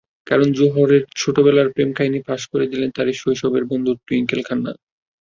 করণ জোহরের ছোটবেলার প্রেমকাহিনি ফাঁস করে দিলেন তাঁরই শৈশবের বন্ধু টুইঙ্কেল খান্না।